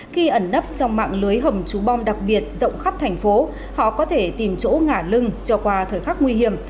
khi ẩn nấp trong mạng lưới hầm trú bom đặc biệt rộng khắp thành phố họ có thể tìm chỗ ngả lưng cho qua thời khắc nguy hiểm